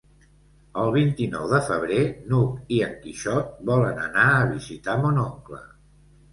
El vint-i-nou de febrer n'Hug i en Quixot volen anar a visitar mon oncle.